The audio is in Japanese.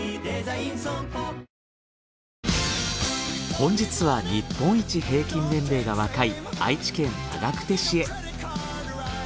本日は日本一平均年齢が若い愛知県長久手市へ。